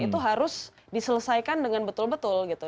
itu harus diselesaikan dengan betul betul gitu